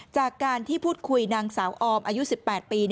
จากการที่พูดคุยนางสาวออมอายุ๑๘ปี